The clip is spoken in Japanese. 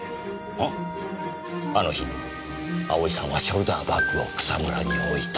あの日葵さんはショルダーバッグを草むらに置いた。